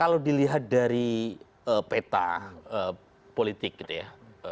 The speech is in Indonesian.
kalau dilihat dari peta politik gitu ya